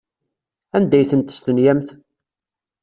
Anda ay tent-testenyamt?